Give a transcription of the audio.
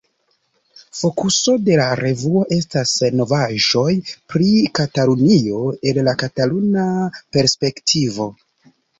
Fokuso de la revuo estas novaĵoj pri Katalunio el la kataluna perspektivo.